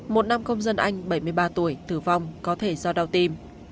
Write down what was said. một nam công dân anh bảy mươi ba tuổi tử vong có thể do đau tim